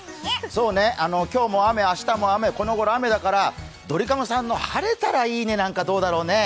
そうね、今日も雨、明日も雨、この頃雨だからドリカムさんの「晴れたらいいね」なんかどうだろうね。